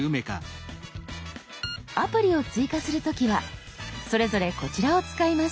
アプリを追加する時はそれぞれこちらを使います。